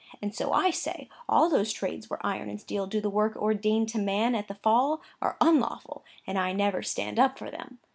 And so I say, all those trades where iron and steel do the work ordained to man at the Fall, are unlawful, and I never stand up for them.